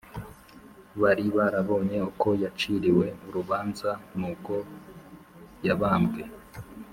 bari barabonye uko yaciriwe urubanza n’uko yabambwe